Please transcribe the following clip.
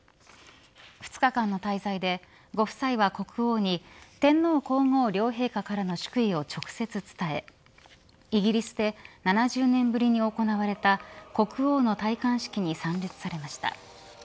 ２日間の滞在で、ご夫妻は国王に天皇皇后両陛下からの祝意を直接伝えイギリスで７０年ぶりに行われた国王の戴冠式に参列されました。